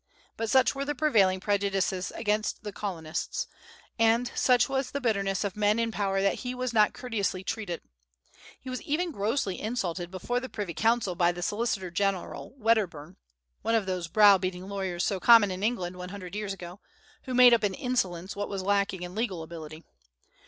But such were the prevailing prejudices against the Colonists, and such was the bitterness of men in power that he was not courteously treated. He was even grossly insulted before the Privy Council by the Solicitor General, Wedderburn, one of those browbeating lawyers so common in England one hundred years ago, who made up in insolence what was lacking in legal ability.